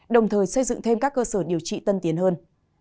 đồng thời xây dựng thêm các cơ sở điều trị tân tiến hơn